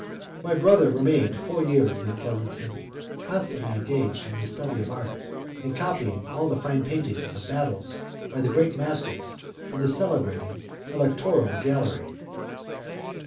My brother remained four years in that pleasant city, constantly engaged in the study of his art, and copying all the fine paintings of battles by the great masters in the celebrated Electoral Gallery.